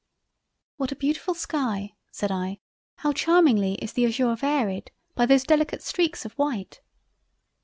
"What a beautifull sky! (said I) How charmingly is the azure varied by those delicate streaks of white!"